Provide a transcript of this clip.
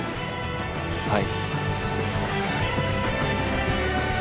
はい。